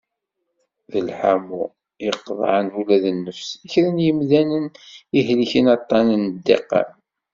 D lḥamu i iqeṭṭεen ula d nnefs i kra n yimdanen i ihellken aṭṭan n ddiqan.